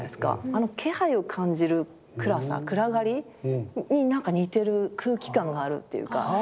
あの気配を感じる暗さ暗がりになんか似てる空気感があるっていうか。